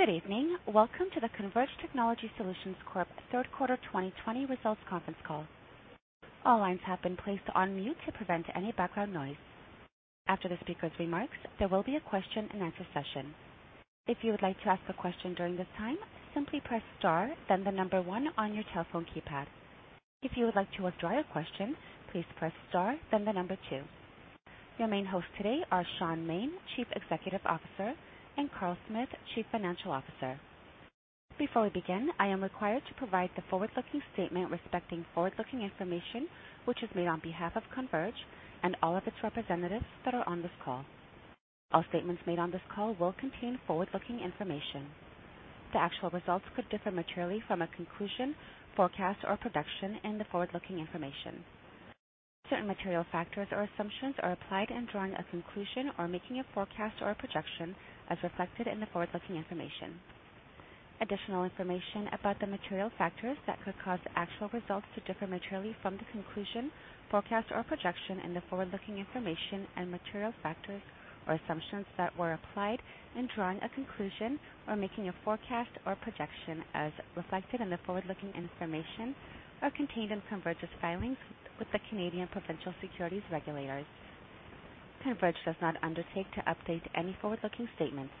Good evening. Welcome to the Converge Technology Solutions Corp Third Quarter 2020 Results Conference Call. All lines have been placed on mute to prevent any background noise. After the speaker's remarks, there will be a question and answer session. If you would like to ask a question during this time, simply press star then the number one on your telephone keypad. If you would like to withdraw your question, please press star then the number two. Your main hosts today are Shaun Maine, Chief Executive Officer, and Carl Smith, Chief Financial Officer. Before we begin, I am required to provide the forward-looking statement respecting forward-looking information which is made on behalf of Converge and all of its representatives that are on this call. All statements made on this call will contain forward-looking information. The actual results could differ materially from a conclusion, forecast, or production in the forward-looking information. Certain material factors or assumptions are applied in drawing a conclusion or making a forecast or a projection as reflected in the forward-looking information. Additional information about the material factors that could cause actual results to differ materially from the conclusion, forecast, or projection in the forward-looking information and material factors or assumptions that were applied in drawing a conclusion or making a forecast or projection as reflected in the forward-looking information are contained in Converge's filings with the Canadian provincial securities regulators. Converge does not undertake to update any forward-looking statements.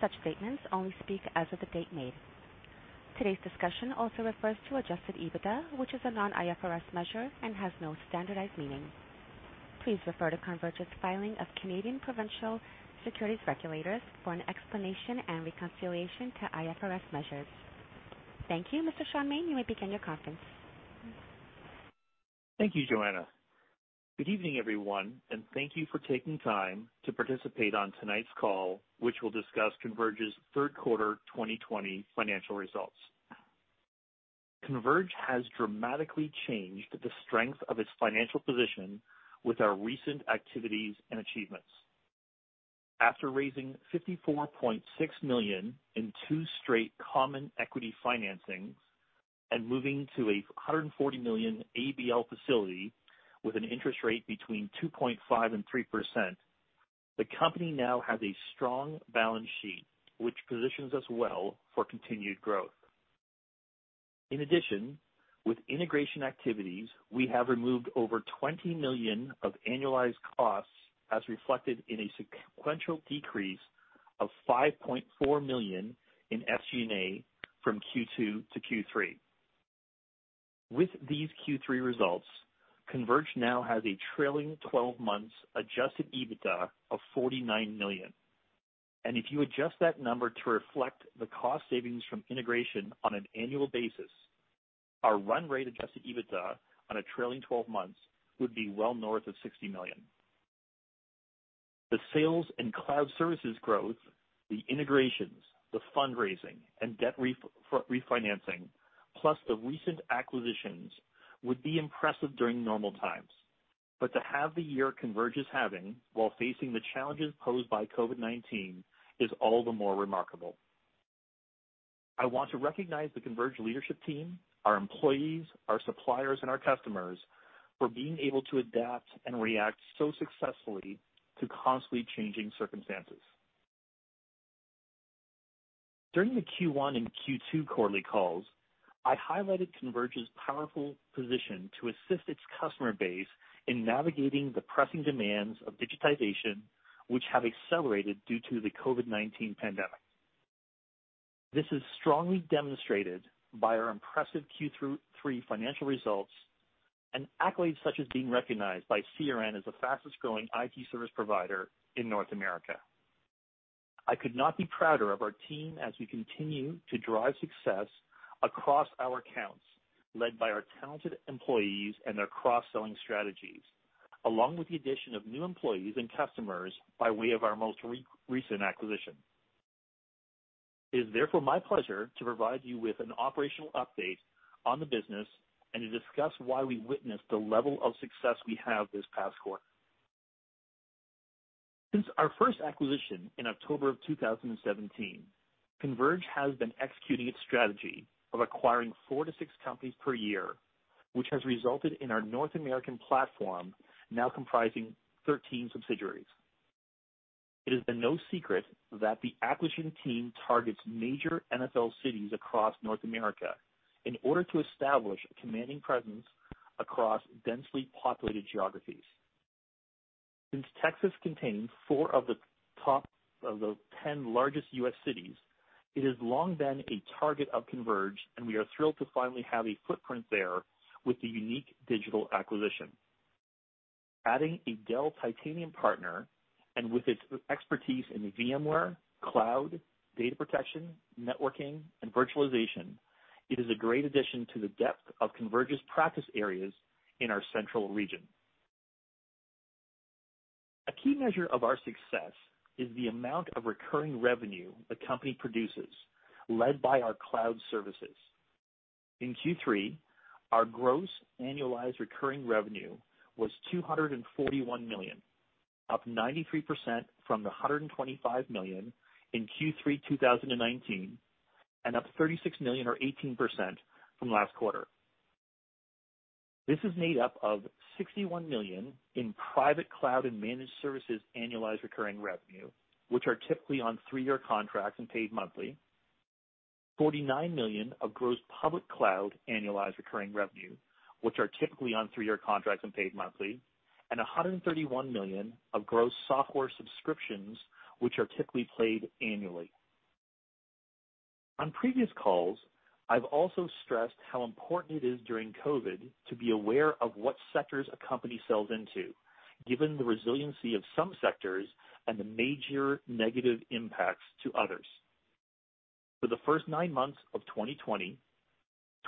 Such statements only speak as of the date made. Today's discussion also refers to adjusted EBITDA, which is a non-IFRS measure and has no standardized meaning. Please refer to Converge's filing of Canadian provincial securities regulators for an explanation and reconciliation to IFRS measures. Thank you, Mr. Shaun Maine, you may begin your conference. Thank you, Joanna. Good evening, everyone, and thank you for taking time to participate on tonight's call, which will discuss Converge's third quarter 2020 financial results. Converge has dramatically changed the strength of its financial position with our recent activities and achievements. After raising 54.6 million in two straight common equity financings and moving to a 140 million ABL facility with an interest rate between 2.5% and 3%, the company now has a strong balance sheet, which positions us well for continued growth. In addition, with integration activities, we have removed over 20 million of annualized costs as reflected in a sequential decrease of 5.4 million in SG&A from Q2 to Q3. With these Q3 results, Converge now has a trailing 12 months adjusted EBITDA of 49 million, and if you adjust that number to reflect the cost savings from integration on an annual basis, our run rate adjusted EBITDA on a trailing 12 months would be well north of 60 million. The sales and cloud services growth, the integrations, the fundraising, and debt refinancing, plus the recent acquisitions, would be impressive during normal times. To have the year Converge is having while facing the challenges posed by COVID-19 is all the more remarkable. I want to recognize the Converge leadership team, our employees, our suppliers, and our customers for being able to adapt and react so successfully to constantly changing circumstances. During the Q1 and Q2 quarterly calls, I highlighted Converge's powerful position to assist its customer base in navigating the pressing demands of digitization, which have accelerated due to the COVID-19 pandemic. This is strongly demonstrated by our impressive Q3 financial results and accolades such as being recognized by CRN as the fastest growing IT service provider in North America. I could not be prouder of our team as we continue to drive success across our accounts, led by our talented employees and their cross-selling strategies, along with the addition of new employees and customers by way of our most recent acquisition. It is therefore my pleasure to provide you with an operational update on the business and to discuss why we witnessed the level of success we have this past quarter. Since our first acquisition in October of 2017, Converge has been executing its strategy of acquiring four to six companies per year, which has resulted in our North American platform now comprising 13 subsidiaries. It has been no secret that the acquisition team targets major NFL cities across North America in order to establish a commanding presence across densely populated geographies. Since Texas contains four of the top 10 largest U.S. cities, it has long been a target of Converge, and we are thrilled to finally have a footprint there with the Unique Digital acquisition. Adding a Dell Titanium partner and with its expertise in VMware, cloud, data protection, networking, and virtualization, it is a great addition to the depth of Converge's practice areas in our central region. A key measure of our success is the amount of recurring revenue the company produces, led by our cloud services. In Q3, our gross annualized recurring revenue was 241 million, up 93% from the 125 million in Q3 2019 and up 36 million or 18% from last quarter. This is made up of 61 million in private cloud and managed services annualized recurring revenue, which are typically on three-year contracts and paid monthly, 49 million of gross public cloud annualized recurring revenue, which are typically on three-year contracts and paid monthly, and 131 million of gross software subscriptions, which are typically paid annually. On previous calls, I've also stressed how important it is during COVID-19 to be aware of what sectors a company sells into, given the resiliency of some sectors and the major negative impacts to others. For the first nine months of 2020,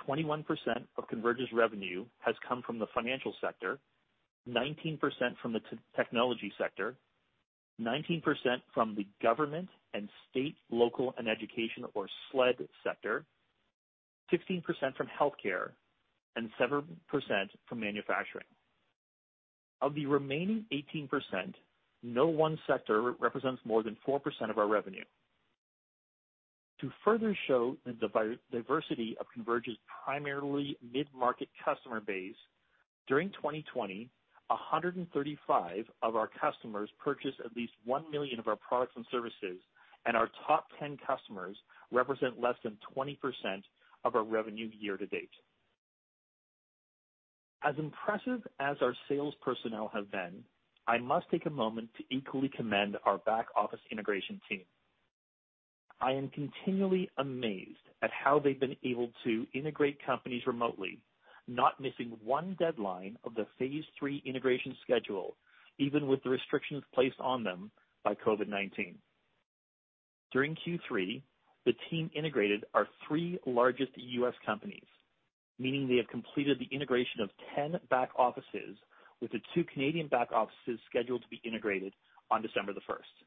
21% of Converge's revenue has come from the financial sector, 19% from the technology sector, 19% from the government and State, Local, and Education or SLED sector, 16% from healthcare, and 7% from manufacturing. Of the remaining 18%, no one sector represents more than 4% of our revenue. To further show the diversity of Converge's primarily mid-market customer base, during 2020, 135 of our customers purchased at least 1 million of our products and services, and our top 10 customers represent less than 20% of our revenue year-to-date. As impressive as our sales personnel have been, I must take a moment to equally commend our back-office integration team. I am continually amazed at how they've been able to integrate companies remotely, not missing one deadline of the phase three integration schedule, even with the restrictions placed on them by COVID-19. During Q3, the team integrated our three largest U.S. companies, meaning they have completed the integration of 10 back offices with the two Canadian back offices scheduled to be integrated on December the 1st.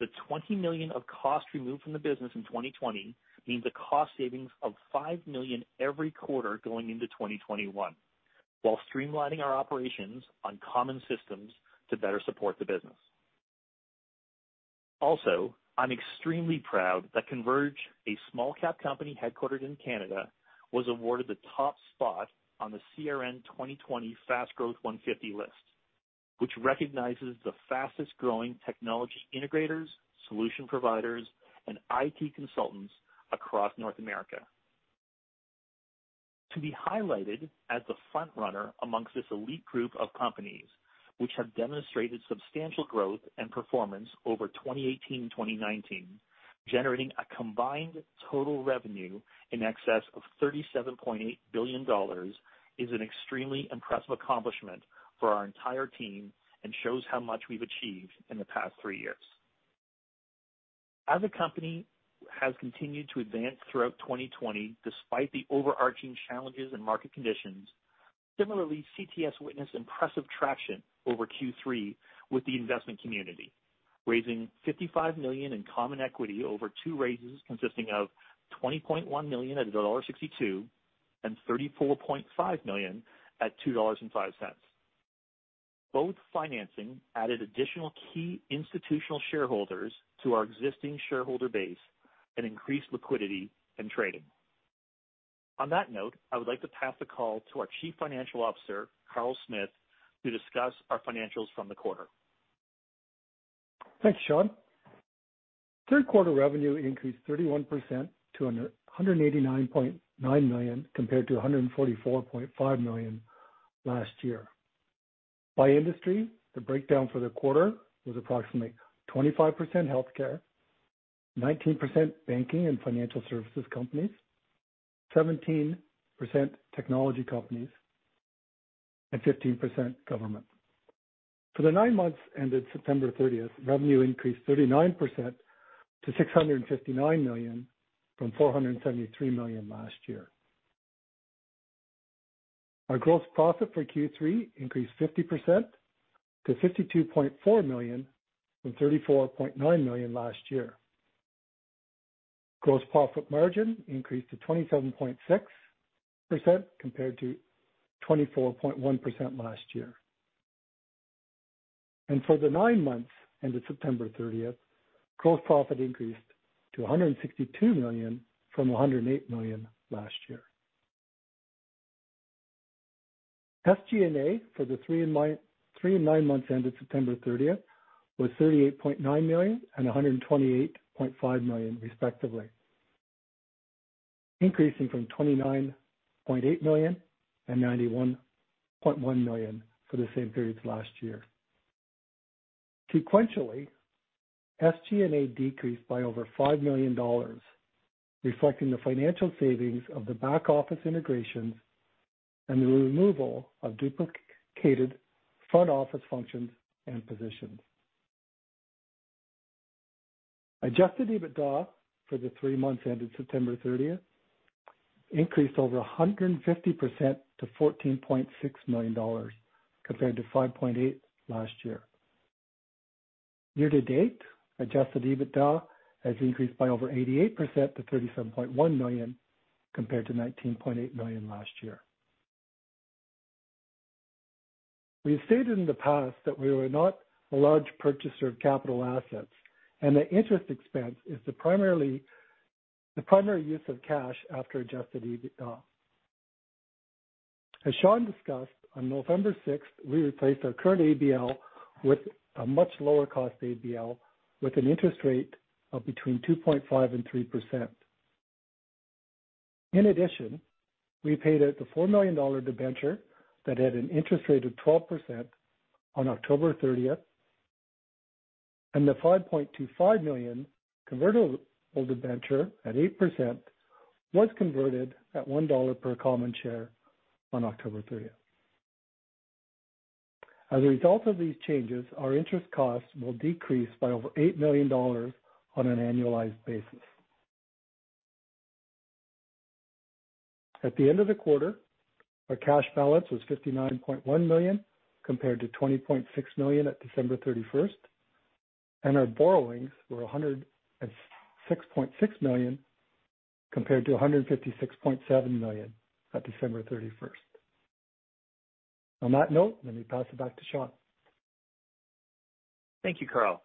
The 20 million of cost removed from the business in 2020 means a cost savings of five million every quarter going into 2021, while streamlining our operations on common systems to better support the business. I'm extremely proud that Converge, a small-cap company headquartered in Canada, was awarded the top spot on the CRN 2020 Fast Growth 150 list, which recognizes the fastest-growing technology integrators, solution providers, and IT consultants across North America. To be highlighted as the frontrunner amongst this elite group of companies, which have demonstrated substantial growth and performance over 2018 and 2019, generating a combined total revenue in excess of 37.8 billion dollars, is an extremely impressive accomplishment for our entire team and shows how much we've achieved in the past three years. As the company has continued to advance throughout 2020 despite the overarching challenges and market conditions, similarly, CTS witnessed impressive traction over Q3 with the investment community, raising CAD 55 million in common equity over two raises consisting of CAD 20.1 million at CAD 1.62 and CAD 34.5 million at CAD 2.05. Both financings added additional key institutional shareholders to our existing shareholder base and increased liquidity and trading. On that note, I would like to pass the call to our Chief Financial Officer, Carl Smith, to discuss our financials from the quarter. Thanks, Shaun. Third quarter revenue increased 31% to 189.9 million compared to 144.5 million last year. By industry, the breakdown for the quarter was approximately 25% healthcare, 19% banking and financial services companies, 17% technology companies, and 15% government. For the nine months ended September 30th, revenue increased 39% to 659 million from 473 million last year. Our gross profit for Q3 increased 50% to 52.4 million from 34.9 million last year. Gross profit margin increased to 27.6% compared to 24.1% last year. For the nine months ended September 30th, gross profit increased to 162 million from 108 million last year. SG&A for the three and nine months ended September 30th was 38.9 million and 128.5 million respectively, increasing from 29.8 million and 91.1 million for the same periods last year. Sequentially, SG&A decreased by over 5 million dollars, reflecting the financial savings of the back-office integrations and the removal of duplicated front-office functions and positions. Adjusted EBITDA for the three months ended September 30th increased over 150% to 14.6 million dollars, compared to 5.8 million last year. Year-to-date, adjusted EBITDA has increased by over 88% to 37.1 million, compared to 19.8 million last year. We have stated in the past that we were not a large purchaser of capital assets, the interest expense is the primary use of cash after adjusted EBITDA. As Shaun discussed, on November 6th, we replaced our current ABL with a much lower cost ABL with an interest rate of between 2.5% and 3%. In addition, we paid out the 4 million dollar debenture that had an interest rate of 12% on October 30th, and the 5.25 million convertible debenture at 8% was converted at 1 dollar per common share on October 30th. As a result of these changes, our interest costs will decrease by over 8 million dollars on an annualized basis. At the end of the quarter, our cash balance was 59.1 million, compared to 20.6 million at December 31st, and our borrowings were 106.6 million, compared to 156.7 million at December 31st. On that note, let me pass it back to Shaun. Thank you, Carl.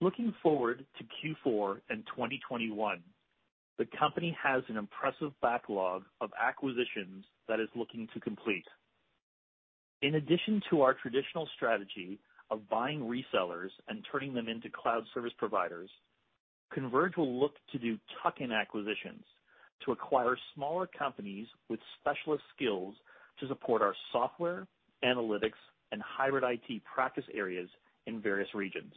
Looking forward to Q4 and 2021, the company has an impressive backlog of acquisitions that it's looking to complete. In addition to our traditional strategy of buying resellers and turning them into cloud service providers, Converge will look to do tuck-in acquisitions to acquire smaller companies with specialist skills to support our software, analytics, and hybrid IT practice areas in various regions.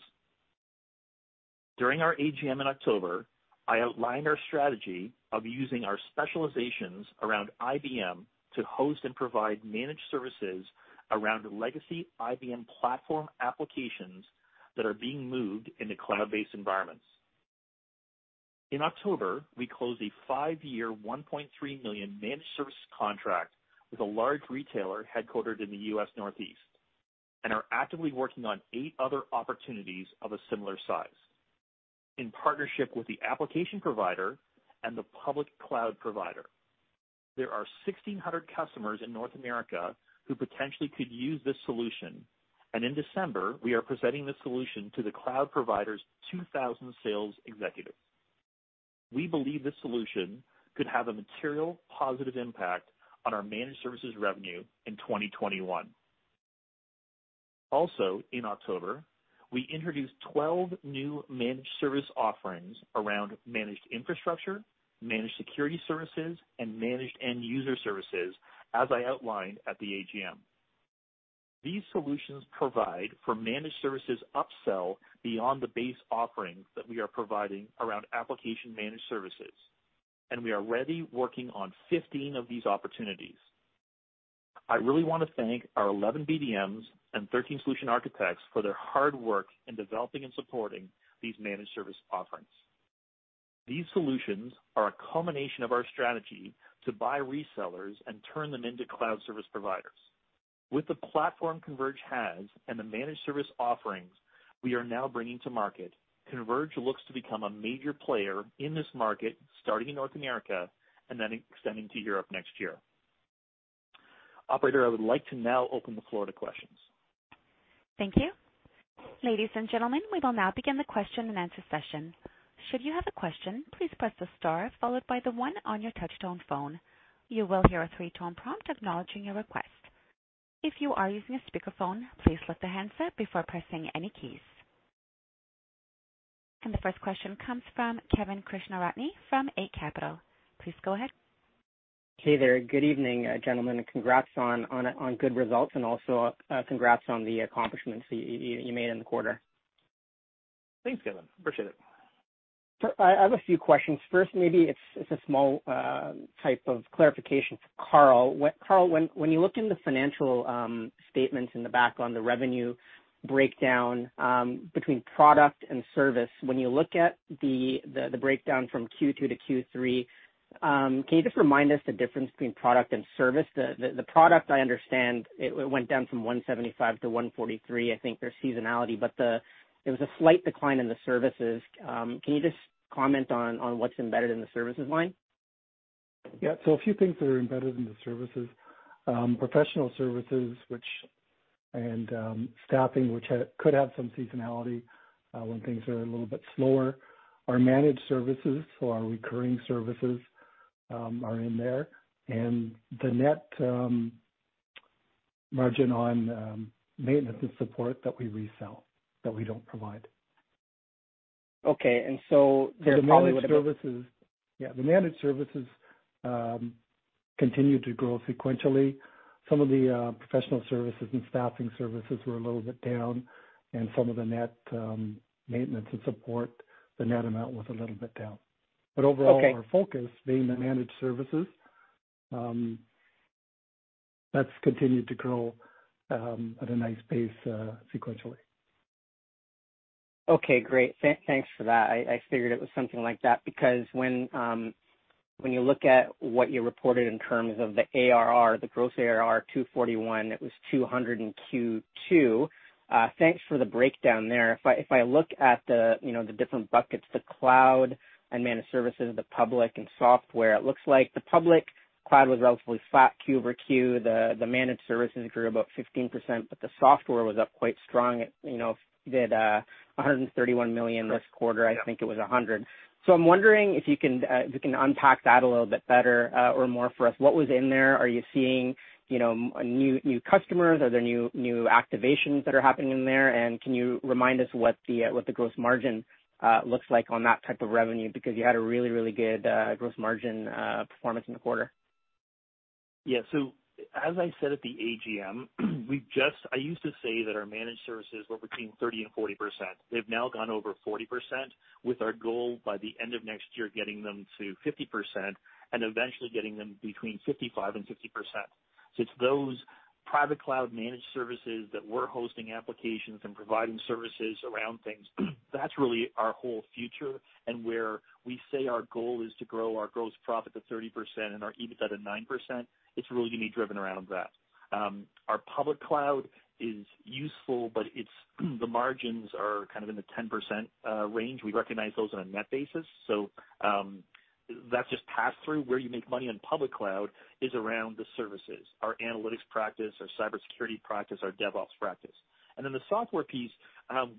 During our AGM in October, I outlined our strategy of using our specializations around IBM to host and provide managed services around the legacy IBM platform applications that are being moved into cloud-based environments. In October, we closed a five-year, 1.3 million managed service contract with a large retailer headquartered in the U.S. Northeast, and are actively working on eight other opportunities of a similar size. In partnership with the application provider and the public cloud provider, there are 1,600 customers in North America who potentially could use this solution. In December, we are presenting this solution to the cloud provider's 2,000 sales executives. We believe this solution could have a material positive impact on our managed services revenue in 2021. Also, in October, we introduced 12 new managed service offerings around managed infrastructure, managed security services, and managed end-user services, as I outlined at the AGM. These solutions provide for managed services upsell beyond the base offerings that we are providing around application-managed services. We are already working on 15 of these opportunities. I really want to thank our 11 BDMs and 13 solution architects for their hard work in developing and supporting these managed service offerings. These solutions are a culmination of our strategy to buy resellers and turn them into cloud service providers. With the platform Converge has and the managed service offerings we are now bringing to market, Converge looks to become a major player in this market, starting in North America and then extending to Europe next year. Operator, I would like to now open the floor to questions. Thank you. Ladies and gentlemen, we will now begin the question and answer session. Should you have a question, please press the star followed by the one on your touch-tone phone. You will hear a three-tone prompt acknowledging your request. If you are using a speakerphone, please lift the handset before pressing any keys. The first question comes from Kevin Krishnaratne from Eight Capital. Please go ahead. Hey there. Good evening, gentlemen, and congrats on good results and also congrats on the accomplishments that you made in the quarter. Thanks, Kevin. Appreciate it. I have a few questions. First, maybe it's a small type of clarification for Carl. Carl, when you look in the financial statements in the back on the revenue breakdown between product and service, when you look at the breakdown from Q2 to Q3, can you just remind us the difference between product and service? The product, I understand, it went down from 175 million to 143 million. I think there's seasonality, but there was a slight decline in the services. Can you just comment on what's embedded in the services line? Yeah. A few things that are embedded in the services. Professional services and staffing, which could have some seasonality when things are a little bit slower. Our managed services, so our recurring services are in there, and the net margin on maintenance and support that we resell, that we don't provide. Okay. Yeah. The managed services continue to grow sequentially. Some of the professional services and staffing services were a little bit down, and some of the net maintenance and support, the net amount was a little bit down. Okay. Overall, our focus being the managed services, that's continued to grow at a nice pace sequentially. Okay, great. Thanks for that. I figured it was something like that because when you look at what you reported in terms of the ARR, the gross ARR 241 million, it was 200 million in Q2. Thanks for the breakdown there. If I look at the different buckets, the cloud and managed services, the public and software, it looks like the public cloud was relatively flat Q-over-Q. The managed services grew about 15%, the software was up quite strong. It did 131 million this quarter, I think it was 100 million. I'm wondering if you can unpack that a little bit better or more for us. What was in there? Are you seeing new customers? Are there new activations that are happening in there? Can you remind us what the gross margin looks like on that type of revenue? You had a really good gross margin performance in the quarter. Yeah. As I said at the AGM, I used to say that our managed services were between 30% and 40%. They've now gone over 40%, with our goal by the end of next year, getting them to 50% and eventually getting them between 55% and 60%. It's those private cloud managed services that we're hosting applications and providing services around things. That's really our whole future. Where we say our goal is to grow our gross profit to 30% and our EBITDA to 9%, it's really going to be driven around that. Our public cloud is useful, but the margins are kind of in the 10% range. We recognize those on a net basis, so that's just pass through. Where you make money on public cloud is around the services, our analytics practice, our cybersecurity practice, our DevOps practice. The software piece,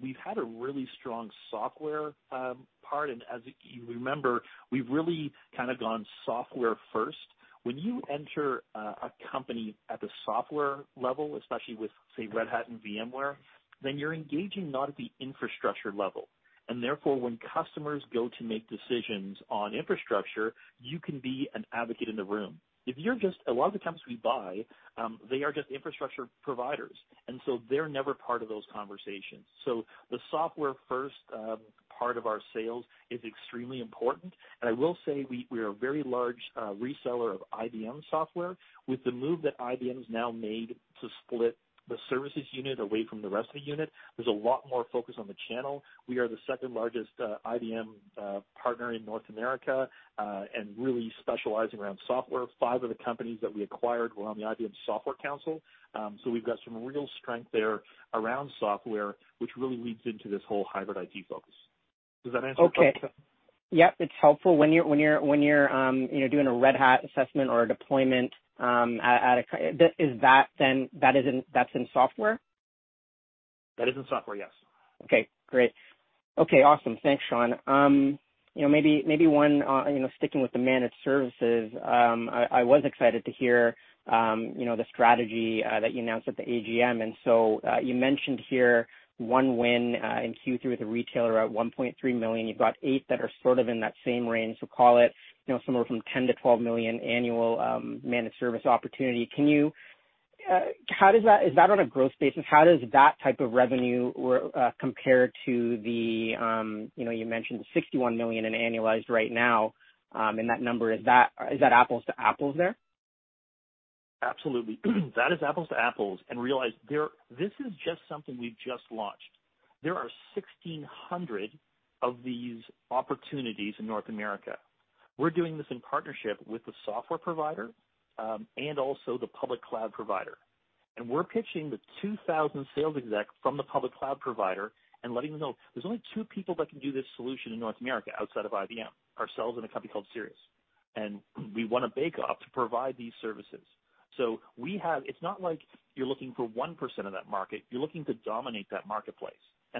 we've had a really strong software part. As you remember, we've really kind of gone software first. When you enter a company at the software level, especially with, say, Red Hat and VMware, then you're engaging not at the infrastructure level. Therefore, when customers go to make decisions on infrastructure, you can be an advocate in the room. A lot of the companies we buy, they are just infrastructure providers, and so they're never part of those conversations. The software-first part of our sales is extremely important. I will say, we are a very large reseller of IBM software. With the move that IBM's now made to split the services unit away from the rest of the unit, there's a lot more focus on the channel. We are the second-largest IBM partner in North America and really specialize around software. Five of the companies that we acquired were on the IBM Software Council. We've got some real strength there around software, which really leads into this whole hybrid IT focus. Does that answer your question? Okay. Yep, it's helpful. When you're doing a Red Hat assessment or a deployment, that's in software? That is in software, yes. Okay, great. Okay, awesome. Thanks, Shaun. Sticking with the managed services, I was excited to hear the strategy that you announced at the AGM. You mentioned here one win in Q3 with a retailer at 1.3 million. You've got eight that are sort of in that same range. Call it somewhere from 10 million-12 million annual managed service opportunity. Is that on a gross basis? How does that type of revenue compare to you mentioned 61 million in annualized right now, and that number, is that apples to apples there? Absolutely. That is apples to apples. Realize, this is just something we've just launched. There are 1,600 of these opportunities in North America. We're doing this in partnership with the software provider and also the public cloud provider. We're pitching the 2,000 sales exec from the public cloud provider letting them know. There's only two people that can do this solution in North America outside of IBM, ourselves and a company called Sirius. We want to bake off to provide these services. It's not like you're looking for 1% of that market. You're looking to dominate that marketplace.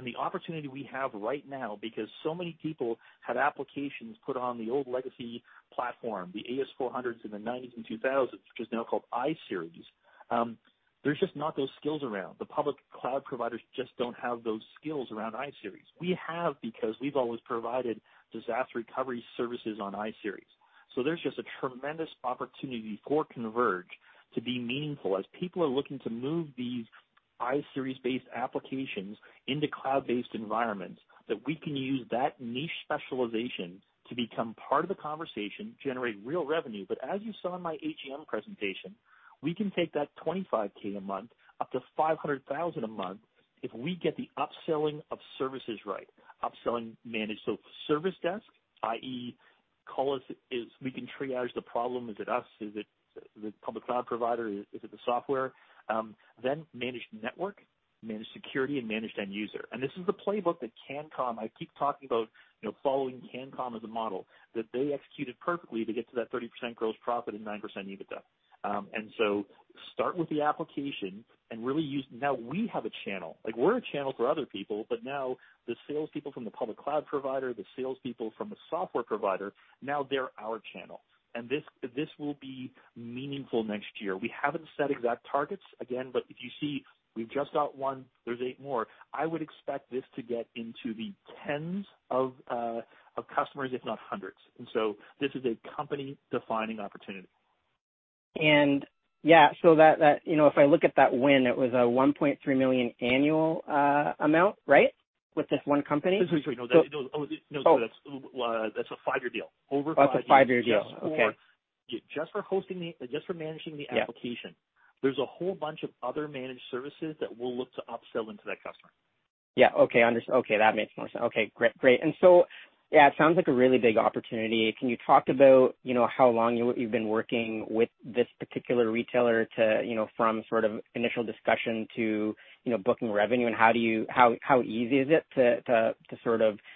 The opportunity we have right now, because so many people have applications put on the old legacy platform, the AS/400s in the '90s and 2000s, which is now called iSeries. There's just not those skills around. The public cloud providers just don't have those skills around iSeries. We have because we've always provided disaster recovery services on iSeries. There's just a tremendous opportunity for Converge to be meaningful as people are looking to move these iSeries-based applications into cloud-based environments, that we can use that niche specialization to become part of the conversation, generate real revenue. As you saw in my AGM presentation, we can take that 25,000 a month, up to 500,000 a month, if we get the upselling of services right. Upselling managed. Service desk, i.e., call us, we can triage the problem. Is it us? Is it the public cloud provider? Is it the software? Managed network, managed security, and managed end user. This is the playbook that Cancom-- I keep talking about following Cancom as a model that they executed perfectly to get to that 30% gross profit and 9% EBITDA. Start with the application. Now we have a channel. We're a channel for other people, but now the salespeople from the public cloud provider, the salespeople from the software provider, now they're our channel. This will be meaningful next year. We haven't set exact targets, again, but if you see we've just got one, there's eight more. I would expect this to get into the tens of customers, if not hundreds. This is a company-defining opportunity. If I look at that win, it was a 1.3 million annual amount, right? With this one company? That's a five-year deal. Over five years. That's a five-year deal. Okay. Just for managing the application. Yeah. There's a whole bunch of other managed services that we'll look to upsell into that customer. Yeah. Okay. That makes more sense. Okay, great. Yeah, it sounds like a really big opportunity. Can you talk about how long you've been working with this particular retailer from sort of initial discussion to booking revenue? How easy is it to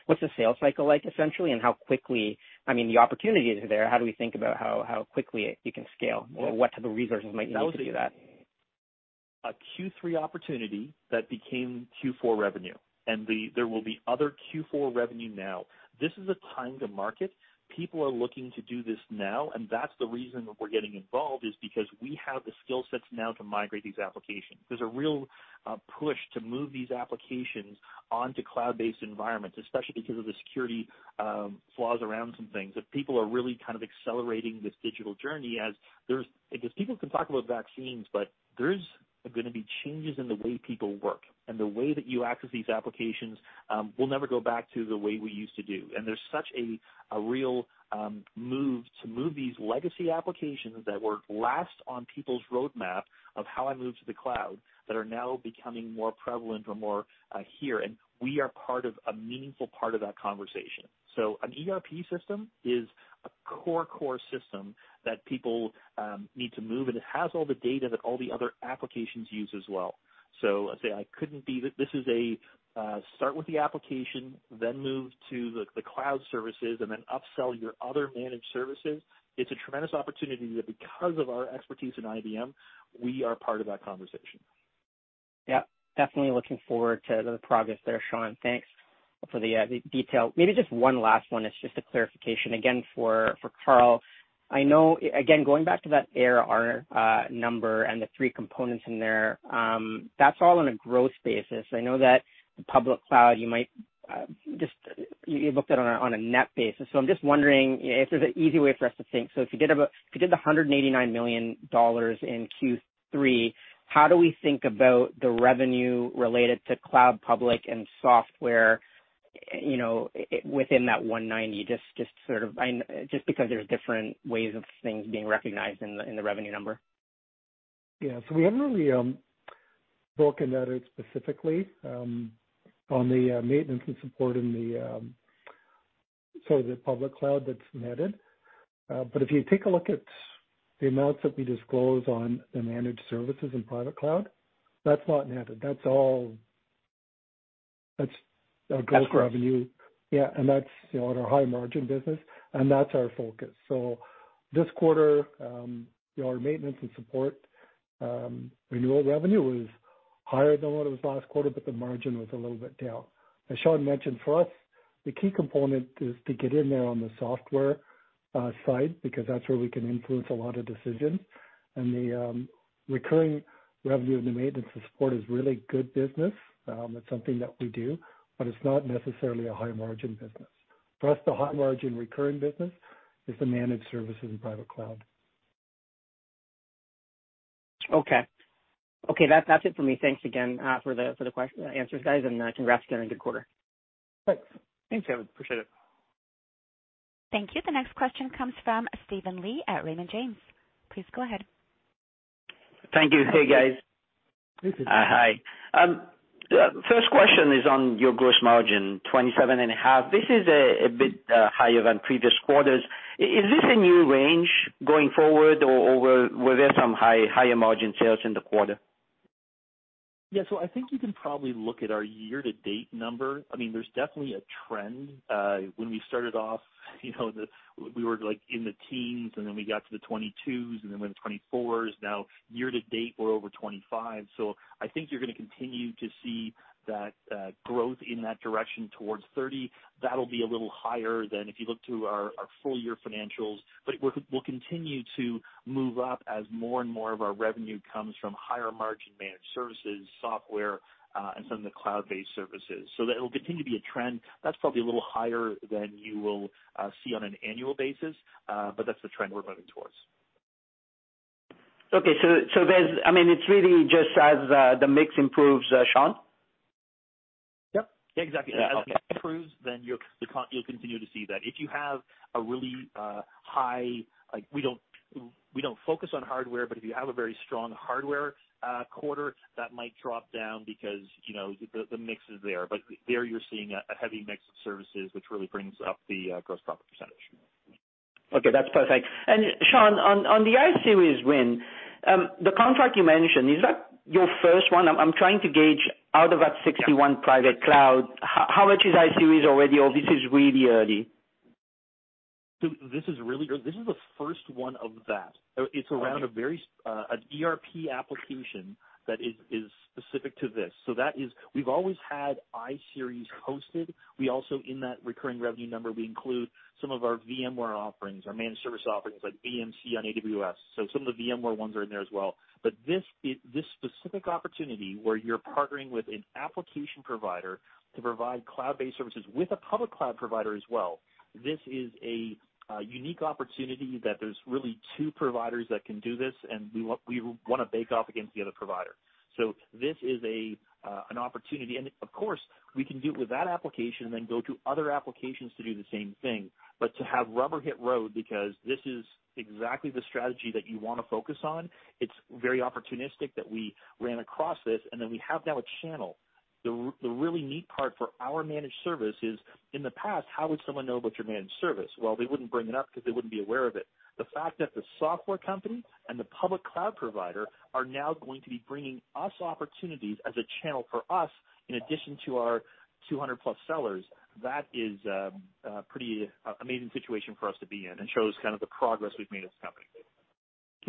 what's the sales cycle like, essentially, I mean, the opportunity is there. How do we think about how quickly you can scale or what type of resources might you need to do that? That was a Q3 opportunity that became Q4 revenue. There will be other Q4 revenue now. This is a time to market. People are looking to do this now. That's the reason that we're getting involved, is because we have the skill sets now to migrate these applications. There's a real push to move these applications onto cloud-based environments, especially because of the security flaws around some things, that people are really kind of accelerating this digital journey. People can talk about vaccines, but there's going to be changes in the way people work. The way that you access these applications will never go back to the way we used to do. There's such a real move to move these legacy applications that were last on people's roadmap of how I move to the cloud that are now becoming more prevalent or more here, and we are part of a meaningful part of that conversation. An ERP system is a core system that people need to move, and it has all the data that all the other applications use as well. Let's say this is a start with the application, then move to the cloud services, and then upsell your other managed services. It's a tremendous opportunity that because of our expertise in IBM, we are part of that conversation. Yeah. Definitely looking forward to the progress there, Shaun. Thanks for the detail. Maybe just one last one. It's just a clarification, again, for Carl. I know, again, going back to that ARR number and the three components in there, that's all on a gross basis. I know that the public cloud, you might just look at it on a net basis. I'm just wondering if there's an easy way for us to think. If you did the 189 million dollars in Q3, how do we think about the revenue related to cloud, public, and software within that 190 million, just because there's different ways of things being recognized in the revenue number? Yeah. We haven't really broken that out specifically on the maintenance and support in the public cloud that's netted. If you take a look at the amounts that we disclose on the managed services and private cloud, that's not netted. That's our gross revenue. That's gross. Yeah. That's our high-margin business, and that's our focus. This quarter, our maintenance and support renewal revenue was higher than what it was last quarter, but the margin was a little bit down. As Shaun mentioned, for us, the key component is to get in there on the software side, because that's where we can influence a lot of decisions. The recurring revenue and the maintenance and support is really good business. It's something that we do, but it's not necessarily a high-margin business. For us, the high-margin recurring business is the managed services and private cloud. Okay. That's it for me. Thanks again for the answers, guys, and congrats on a good quarter. Thanks. Thanks, Kevin. Appreciate it. Thank you. The next question comes from Steven Li at Raymond James. Please go ahead. Thank you. Hey, guys. Hey, Steven. Hi. First question is on your gross margin, 27.5%. This is a bit higher than previous quarters. Is this a new range going forward, or were there some higher margin sales in the quarter? I think you can probably look at our year-to-date number. There's definitely a trend. When we started off, we were, like, in the teens, and then we got to the 22%, and then we're in the 24%. Now year-to-date, we're over 25%. I think you're going to continue to see that growth in that direction towards 30%. That'll be a little higher than if you look to our full-year financials. We'll continue to move up as more and more of our revenue comes from higher-margin managed services, software, and some of the cloud-based services. That'll continue to be a trend. That's probably a little higher than you will see on an annual basis, but that's the trend we're moving towards. Okay. It's really just as the mix improves, Shaun? Yep. Yeah, exactly. As the mix improves, then you'll continue to see that. If you have a really high, We don't focus on hardware, but if you have a very strong hardware quarter, that might drop down because the mix is there. There you're seeing a heavy mix of services, which really brings up the gross profit percentage. Okay, that's perfect. Shaun, on the iSeries win, the contract you mentioned, is that your first one? I'm trying to gauge out of that 61 private cloud, how much is iSeries already, or this is really early? This is really early. This is the first one of that. It's around an ERP application that is specific to this. That is, we've always had iSeries hosted. We also, in that recurring revenue number, we include some of our VMware offerings, our managed service offerings like VMC on AWS. Some of the VMware ones are in there as well. This specific opportunity where you're partnering with an application provider to provide cloud-based services with a public cloud provider as well, this is a unique opportunity that there's really two providers that can do this, and we want to bake off against the other provider. This is an opportunity. Of course, we can do it with that application and then go to other applications to do the same thing. To have rubber hit road because this is exactly the strategy that you want to focus on, it's very opportunistic that we ran across this. We have now a channel. The really neat part for our managed service is, in the past, how would someone know about your managed service? Well, they wouldn't bring it up because they wouldn't be aware of it. The fact that the software company and the public cloud provider are now going to be bringing us opportunities as a channel for us, in addition to our 200+ sellers, that is a pretty amazing situation for us to be in and shows the progress we've made as a company.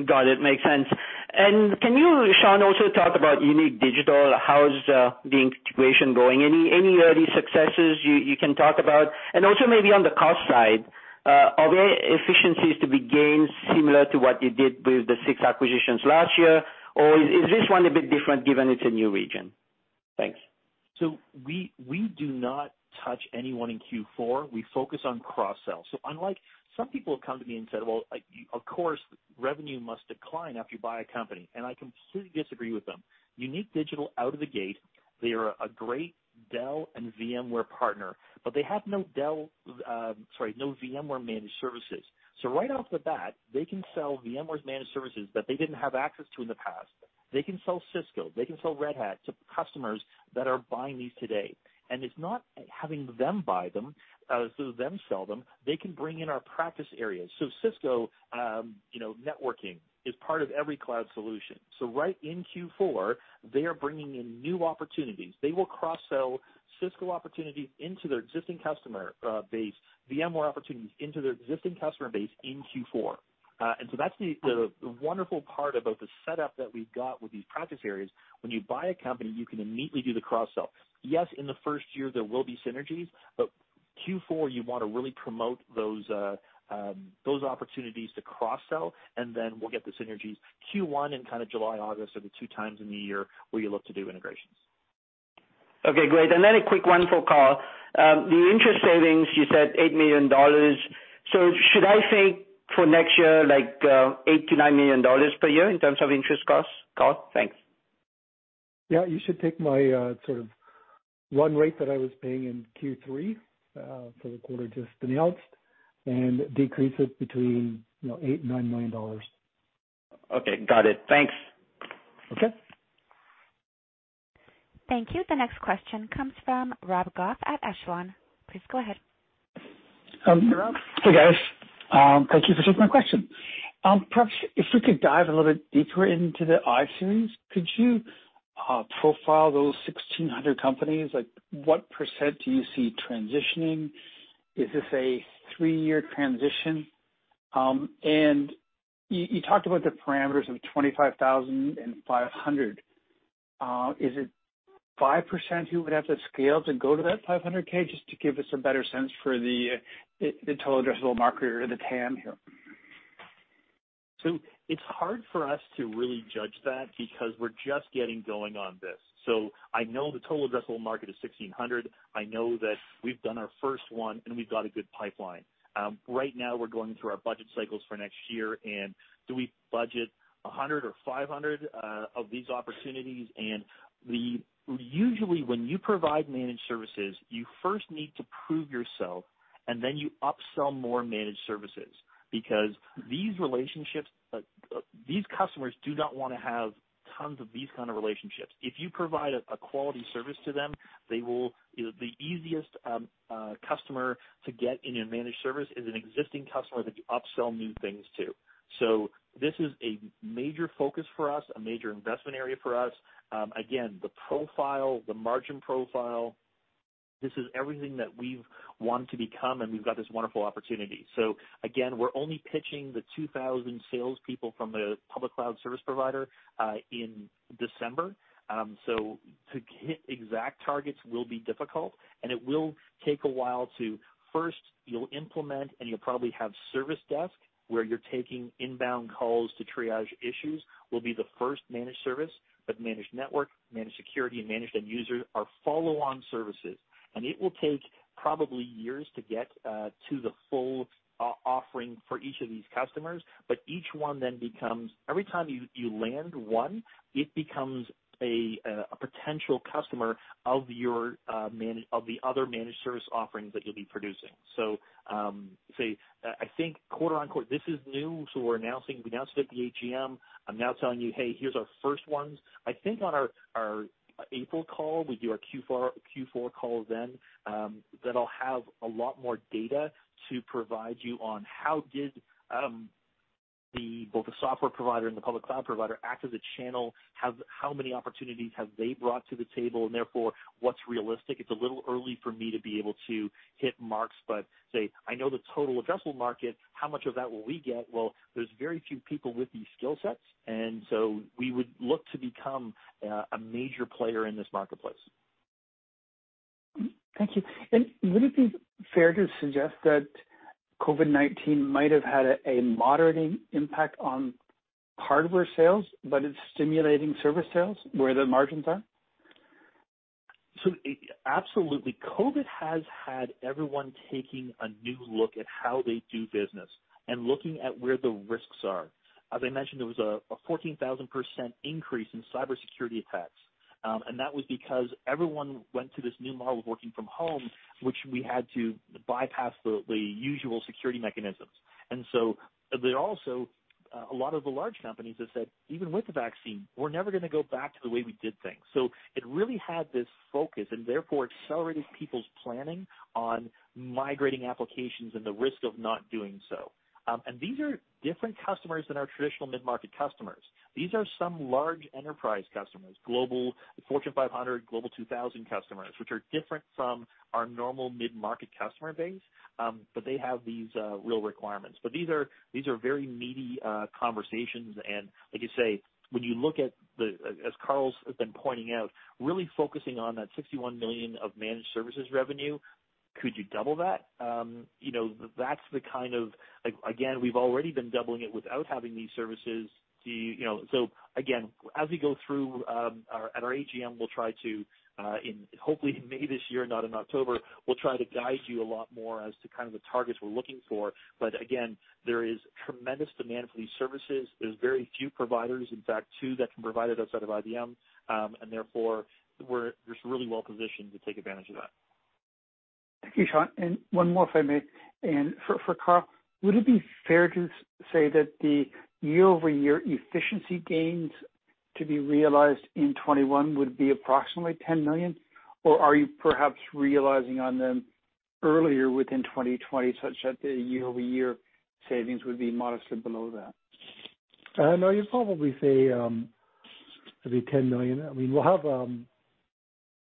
Got it. Makes sense. Can you, Shaun, also talk about Unique Digital? How is the integration going? Any early successes you can talk about? Also maybe on the cost side, are there efficiencies to be gained similar to what you did with the six acquisitions last year? Or is this one a bit different given it's a new region? Thanks. We do not touch anyone in Q4. We focus on cross-sell. Unlike some people have come to me and said, "Well, of course, revenue must decline after you buy a company," and I completely disagree with them. Unique Digital, out of the gate, they are a great Dell and VMware partner, but they have no VMware managed services. Right off the bat, they can sell VMware's managed services that they didn't have access to in the past. They can sell Cisco, they can sell Red Hat to customers that are buying these today, and it's not having them buy them, so them sell them, they can bring in our practice areas. Cisco networking is part of every cloud solution. Right in Q4, they are bringing in new opportunities. They will cross-sell Cisco opportunities into their existing customer base, VMware opportunities into their existing customer base in Q4. That's the wonderful part about the setup that we've got with these practice areas. When you buy a company, you can immediately do the cross-sell. Yes, in the first year, there will be synergies, Q4, you want to really promote those opportunities to cross-sell, then we'll get the synergies. Q1 and kind of July, August are the two times in the year where you look to do integrations. Okay, great. A quick one for Carl. The interest savings, you said 8 million dollars. Should I say for next year, like 8 million-9 million dollars per year in terms of interest costs, Carl? Thanks. Yeah, you should take my sort of run rate that I was paying in Q3, for the quarter just announced, and decrease it between 8 million and 9 million dollars. Okay, got it. Thanks. Okay. Thank you. The next question comes from Rob Goff at Echelon. Please go ahead. Hey, guys. Thank you for taking my question. Perhaps if we could dive a little bit deeper into the iSeries, could you profile those 1,600 companies? Like, what percent do you see transitioning? Is this a three-year transition? You talked about the parameters of 25,000 and 500. Is it 5% who would have the scale to go to that 500 thousand just to give us a better sense for the total addressable market or the TAM here? It's hard for us to really judge that because we're just getting going on this. I know the total addressable market is 1,600. I know that we've done our first one and we've got a good pipeline. Right now, we're going through our budget cycles for next year. Do we budget 100 or 500 of these opportunities? Usually, when you provide managed services, you first need to prove yourself, and then you upsell more managed services because these customers do not want to have tons of these kind of relationships. If you provide a quality service to them, the easiest customer to get in a managed service is an existing customer that you upsell new things to. This is a major focus for us, a major investment area for us. The profile, the margin profile, this is everything that we've wanted to become, and we've got this wonderful opportunity. We're only pitching the 2,000 salespeople from the public cloud service provider in December. To hit exact targets will be difficult, and it will take a while to first you'll implement and you'll probably have service desk where you're taking inbound calls to triage issues will be the first managed service, but managed network, managed security, and managed end user are follow-on services. It will take probably years to get to the full offering for each of these customers. Each one then becomes every time you land one, it becomes a potential customer of the other managed service offerings that you'll be producing. Say, I think quarter-on-quarter, this is new, we're announcing, we announced it at the AGM. I'm now telling you, "Hey, here's our first ones." I think on our April call, we do our Q4 call then, that'll have a lot more data to provide you on how did both the software provider and the public cloud provider act as a channel, how many opportunities have they brought to the table, and therefore, what's realistic. It's a little early for me to be able to hit marks, but say, I know the total addressable market. How much of that will we get? Well, there's very few people with these skill sets, and so we would look to become a major player in this marketplace. Thank you. Would it be fair to suggest that COVID-19 might have had a moderating impact on hardware sales, but it's stimulating service sales where the margins are? Absolutely. COVID has had everyone taking a new look at how they do business and looking at where the risks are. As I mentioned, there was a 14,000% increase in cybersecurity attacks. That was because everyone went to this new model of working from home, which we had to bypass the usual security mechanisms. A lot of the large companies have said, "Even with the vaccine, we're never going to go back to the way we did things." It really had this focus and therefore accelerated people's planning on migrating applications and the risk of not doing so. These are different customers than our traditional mid-market customers. These are some large enterprise customers, global Fortune 500, Global 2000 customers, which are different from our normal mid-market customer base, but they have these real requirements. These are very meaty conversations and, like you say, when you look at, as Carl has been pointing out, really focusing on that 61 million of managed services revenue, could you double that? Again, we've already been doubling it without having these services. Again, as we go through at our AGM, we'll try to, hopefully in May this year, not in October, we'll try to guide you a lot more as to kind of the targets we're looking for. Again, there is tremendous demand for these services. There's very few providers, in fact, two that can provide it outside of IBM, and therefore, we're just really well-positioned to take advantage of that. Thank you, Shaun. One more, if I may. For Carl, would it be fair to say that the year-over-year efficiency gains to be realized in 2021 would be approximately 10 million? Or are you perhaps realizing on them earlier within 2020, such that the year-over-year savings would be modestly below that? No, you'd probably say maybe 10 million.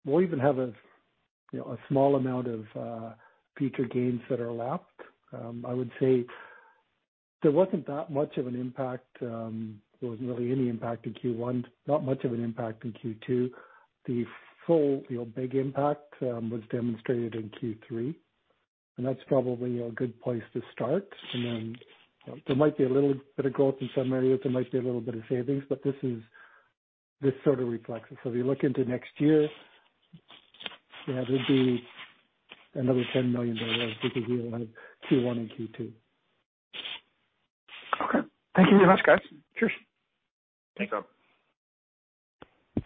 We'll even have a small amount of PIK gains that are lapped. I would say there wasn't that much of an impact, there wasn't really any impact in Q1, not much of an impact in Q2. The full big impact was demonstrated in Q3. That's probably a good place to start. There might be a little bit of growth in some areas, there might be a little bit of savings. This sort of reflects it. If you look into next year, yeah, there'd be another 10 million dollars or so because you only have Q1 and Q2. Okay. Thank you very much, guys. Cheers. Thanks.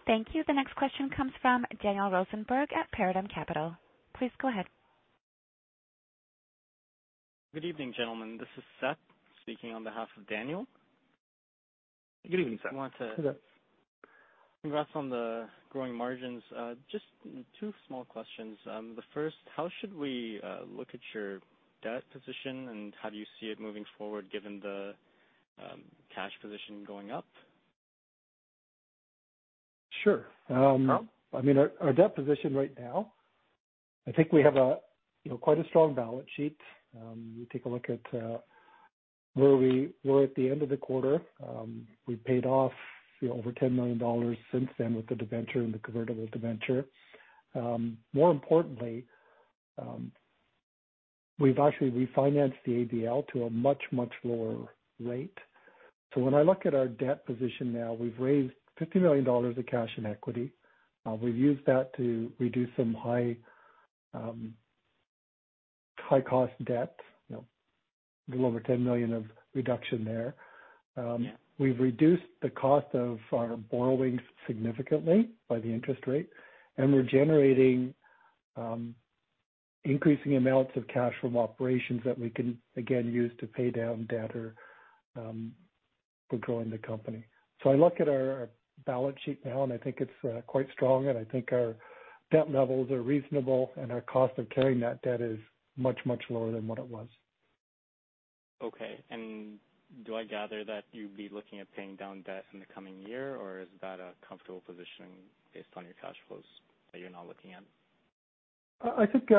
Thank you. The next question comes from Daniel Rosenberg at Paradigm Capital. Please go ahead. Good evening, gentlemen. This is Seth speaking on behalf of Daniel. Good evening, Seth. Hey, Seth. Congrats on the growing margins. Just two small questions. The first, how should we look at your debt position, and how do you see it moving forward given the cash position going up? Our debt position right now, I think we have quite a strong balance sheet. You take a look at where we were at the end of the quarter. We paid off over 10 million dollars since then with the debenture and the convertible debenture. More importantly, we've actually refinanced the ABL to a much, much lower rate. When I look at our debt position now, we've raised 50 million dollars of cash and equity. We've used that to reduce some high-cost debt, a little over 10 million of reduction there. We've reduced the cost of our borrowings significantly by the interest rate, and we're generating increasing amounts of cash from operations that we can, again, use to pay down debt or for growing the company. I look at our balance sheet now, and I think it's quite strong, and I think our debt levels are reasonable, and our cost of carrying that debt is much, much lower than what it was. Okay. Do I gather that you'd be looking at paying down debt in the coming year, or is that a comfortable position based on your cash flows that you're not looking at? I think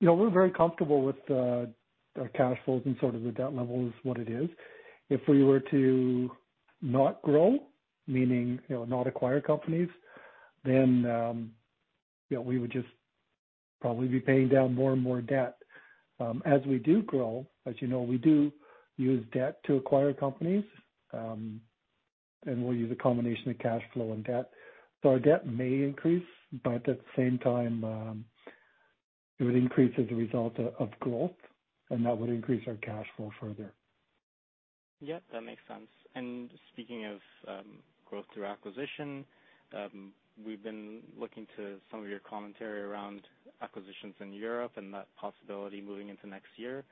we're very comfortable with our cash flows and sort of the debt level is what it is. If we were to not grow, meaning, not acquire companies, then we would just probably be paying down more and more debt. As we do grow, as you know, we do use debt to acquire companies, and we'll use a combination of cash flow and debt. Our debt may increase, but at the same time, it would increase as a result of growth, and that would increase our cash flow further. Yeah, that makes sense. Speaking of growth through acquisition, we've been looking to some of your commentary around acquisitions in Europe and that possibility moving into next year.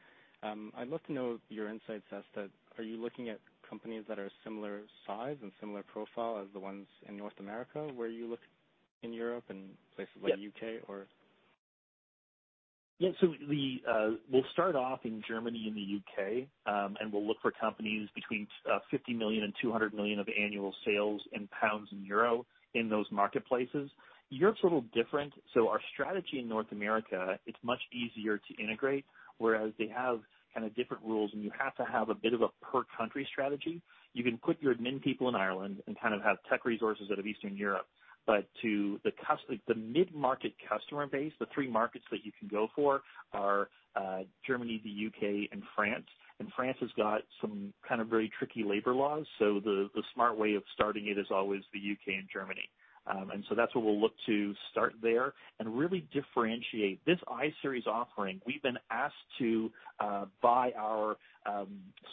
I'd love to know your insights as to, are you looking at companies that are similar size and similar profile as the ones in North America, where you look in Europe and places like the U.K. or? Yeah. We'll start off in Germany and the U.K., and we'll look for companies between 50 million and 200 million of annual sales in pounds and euro in those marketplaces. Europe's a little different. Our strategy in North America, it's much easier to integrate, whereas they have kind of different rules, and you have to have a bit of a per-country strategy. You can put your admin people in Ireland and kind of have tech resources out of Eastern Europe. The mid-market customer base, the three markets that you can go for are Germany, the U.K., and France. France has got some kind of very tricky labor laws. The smart way of starting it is always the U.K. and Germany. That's what we'll look to start there and really differentiate. This iSeries offering, we've been asked to, by our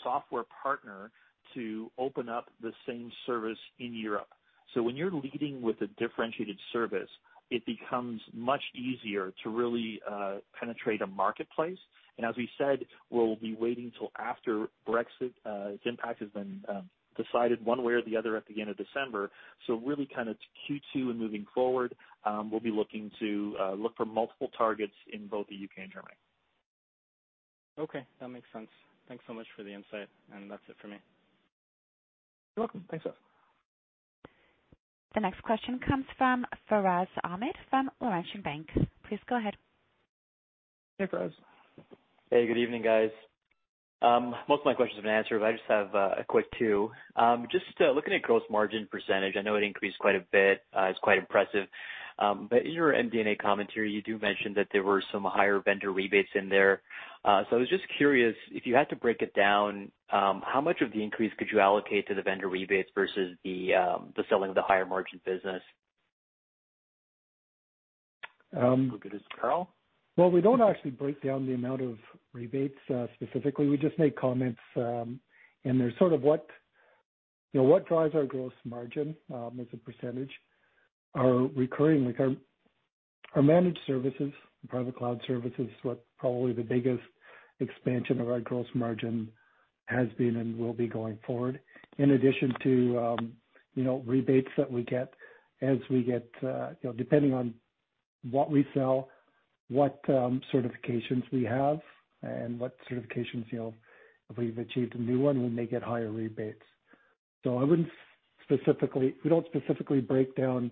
software partner, to open up the same service in Europe. When you're leading with a differentiated service, it becomes much easier to really penetrate a marketplace. As we said, we'll be waiting till after Brexit, its impact has been decided one way or the other at the end of December. Really kind of Q2 and moving forward, we'll be looking to look for multiple targets in both the U.K. and Germany. Okay, that makes sense. Thanks so much for the insight, and that's it for me. You're welcome. Thanks, Seth. The next question comes from Furaz Ahmad from Laurentian Bank. Please go ahead. Hey, Furaz. Hey, good evening, guys. Most of my questions have been answered. I just have a quick two. Just looking at gross margin percentage, I know it increased quite a bit. It's quite impressive. In your MD&A commentary, you do mention that there were some higher vendor rebates in there. I was just curious, if you had to break it down, how much of the increase could you allocate to the vendor rebates versus the selling of the higher margin business? Um- We'll give this to Carl. We don't actually break down the amount of rebates specifically. We just make comments, they're sort of what drives our gross margin, as a percentage. Our recurring, like our managed services, private cloud services is what probably the biggest expansion of our gross margin has been and will be going forward. In addition to rebates that we get depending on what we sell, what certifications we have, and what certifications, if we've achieved a new one, we may get higher rebates. We don't specifically break down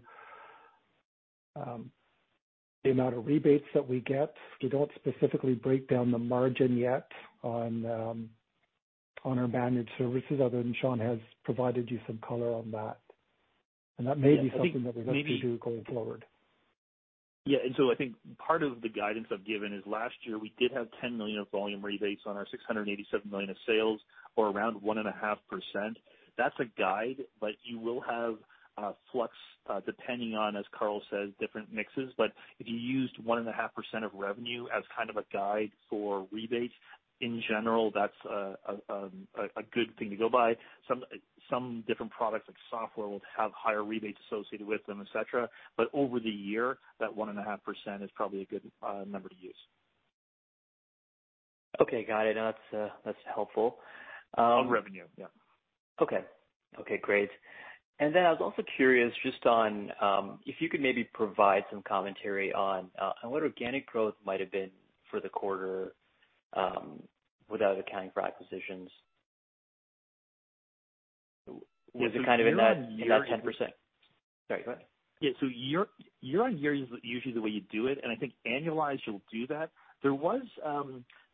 the amount of rebates that we get. We don't specifically break down the margin yet on our managed services other than Shaun has provided you some color on that. That may be something that we have to do going forward. I think part of the guidance I've given is last year we did have 10 million of volume rebates on our 687 million of sales, or around 1.5%. That's a guide, but you will have flux, depending on, as Carl says, different mixes. If you used 1.5% of revenue as kind of a guide for rebates, in general, that's a good thing to go by. Some different products, like software, will have higher rebates associated with them, et cetera. Over the year, that 1.5% is probably a good number to use. Okay, got it. That's helpful. On revenue, yeah. Okay. Okay, great. I was also curious just on if you could maybe provide some commentary on what organic growth might've been for the quarter, without accounting for acquisitions. Was it kind of in that 10%? Sorry, go ahead. Year-over-year is usually the way you do it, and I think annualized you'll do that. There was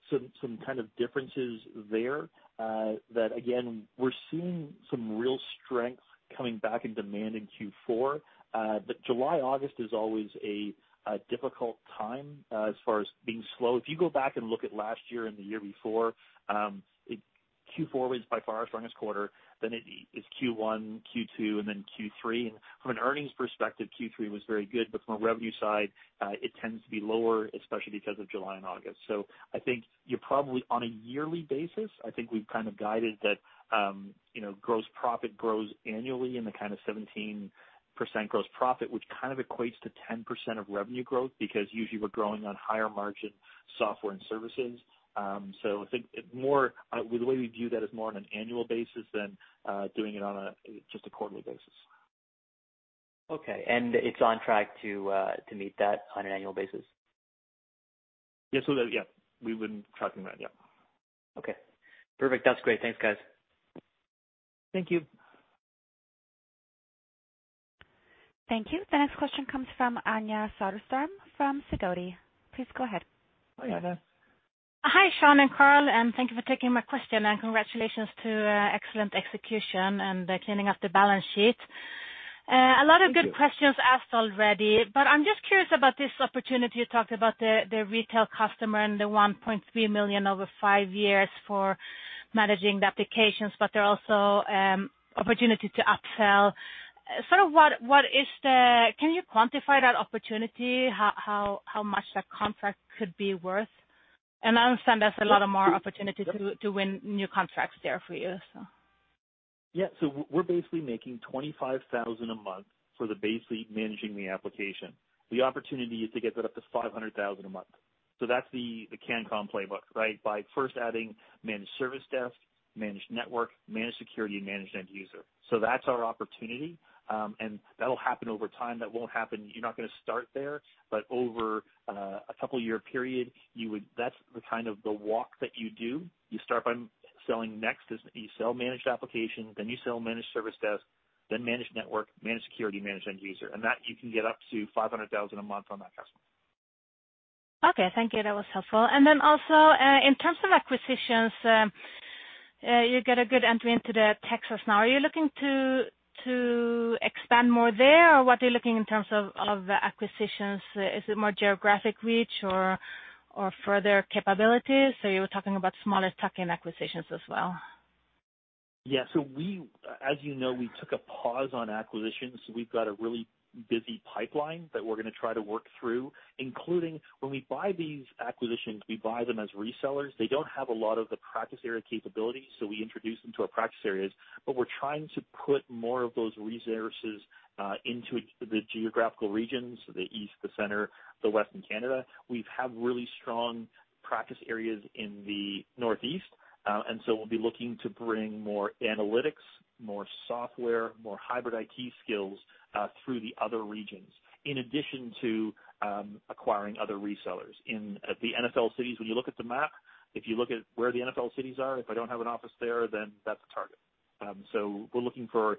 some kind of differences there, that again, we're seeing some real strength coming back in demand in Q4. July/August is always a difficult time as far as being slow. If you go back and look at last year and the year before, Q4 was by far our strongest quarter, then it is Q1, Q2, and then Q3. From an earnings perspective, Q3 was very good, but from a revenue side, it tends to be lower, especially because of July and August. I think you're probably on a yearly basis. I think we've kind of guided that gross profit grows annually in the kind of 17% gross profit, which kind of equates to 10% of revenue growth because usually we're growing on higher margin software and services. I think more, the way we view that is more on an annual basis than doing it on a just a quarterly basis. Okay, it's on track to meet that on an annual basis? Yes. We've been tracking that, yeah. Okay, perfect. That's great. Thanks, guys. Thank you. Thank you. The next question comes from Anja Soderstrom from Sidoti & Company. Please go ahead. Hi, Anja. Hi, Shaun and Carl. Thank you for taking my question. Congratulations to excellent execution and cleaning up the balance sheet. Thank you. A lot of good questions asked already. I'm just curious about this opportunity. You talked about the retail customer and the 1.3 million over five years for managing the applications, but there are also opportunity to upsell. Sort of, can you quantify that opportunity, how much that contract could be worth? I understand there's a lot of more opportunity to win new contracts there for you. Yeah. We're basically making 25,000 a month for the basically managing the application. The opportunity is to get that up to 500,000 a month. That's the Cancom SE playbook, right? By first adding managed service desk, managed network, managed security, and managed end user. That's our opportunity. That'll happen over time. That won't happen. You're not gonna start there. Over a couple year period, that's the kind of the walk that you do. You start by selling Next, is you sell managed application, you sell managed service desk, managed network, managed security, managed end user. That you can get up to 500,000 a month on that customer. Okay, thank you. That was helpful. Then also, in terms of acquisitions, you get a good entry into the Texas now. Are you looking to expand more there, or what are you looking in terms of acquisitions? Is it more geographic reach or further capabilities? You were talking about smaller tuck-in acquisitions as well. Yeah. We, as you know, we took a pause on acquisitions. We've got a really busy pipeline that we're gonna try to work through, including when we buy these acquisitions, we buy them as resellers. They don't have a lot of the practice area capabilities, so we introduce them to our practice areas. We're trying to put more of those resources into the geographical regions, the East, the Center, the West, and Canada. We've had really strong practice areas in the Northeast, and so we'll be looking to bring more analytics, more software, more hybrid IT skills, through the other regions, in addition to acquiring other resellers. In the NFL cities, when you look at the map, if you look at where the NFL cities are, if I don't have an office there, then that's a target. We're looking for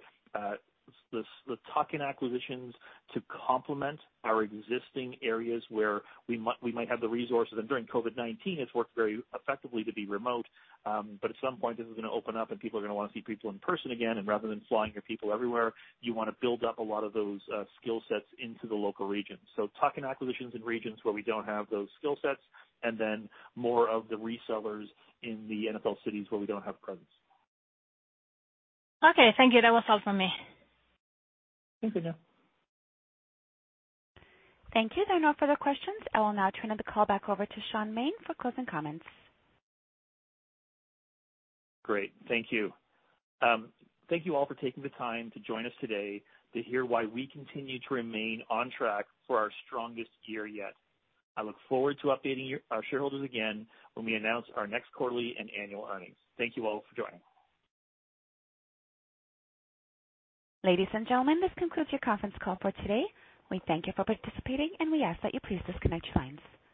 the tuck-in acquisitions to complement our existing areas where we might have the resources. During COVID-19, it's worked very effectively to be remote. At some point, this is gonna open up, and people are gonna wanna see people in person again. Rather than flying your people everywhere, you wanna build up a lot of those skill sets into the local region. Tuck-in acquisitions in regions where we don't have those skill sets, and then more of the resellers in the NFL cities where we don't have presence. Okay, thank you. That was all for me. Thank you, Anja. Thank you. There are no further questions. I will now turn the call back over to Shaun Maine for closing comments. Great. Thank you. Thank you all for taking the time to join us today to hear why we continue to remain on track for our strongest year yet. I look forward to updating our shareholders again when we announce our next quarterly and annual earnings. Thank you all for joining. Ladies and gentlemen, this concludes your conference call for today. We thank you for participating. We ask that you please disconnect your lines.